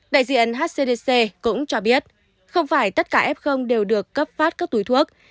đại diện hcdc cũng cho biết không phải tất cả f đều được cấp phát các túi thuốc